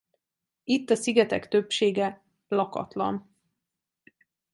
Itt a szigetek többsége lakatlan.